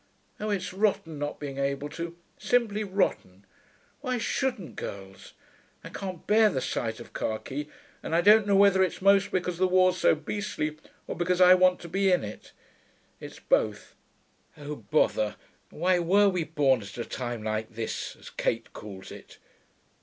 Oh, it's rotten not being able to; simply rotten.... Why shouldn't girls? I can't bear the sight of khaki; and I don't know whether it's most because the war's so beastly or because I want to be in it.... It's both.... Oh bother, why were we born at a time like this, as Kate calls it?'